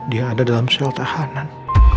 dia ada dalam soal tahanan